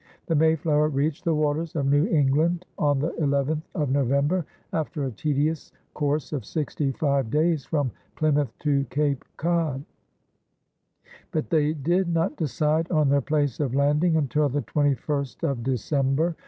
The Mayflower reached the waters of New England on the 11th of November after a tedious course of sixty five days from Plymouth to Cape Cod; but they did not decide on their place of landing until the 21st of December.